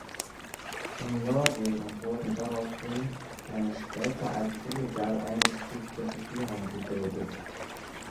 In Norwegen wurden daraufhin eine später als illegal eingestufte Regierung gebildet.